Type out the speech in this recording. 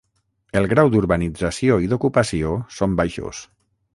El grau d'urbanització i d'ocupació són baixos.